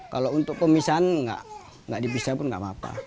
kalau untuk pemisahan enggak enggak dipisah pun enggak apa apa